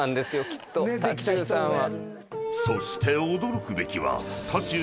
［そして驚くべきは］